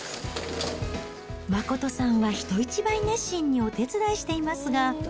真さんは人一倍熱心にお手伝いしていますが。